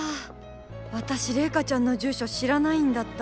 私レイカちゃんの住所知らないんだった。